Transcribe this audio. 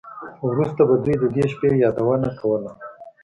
وروسته به دوی د دې شیبې یادونه کوله